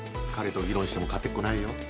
彼と議論しても勝てっこないよ。